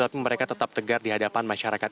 tapi mereka tetap tegar di hadapan masyarakat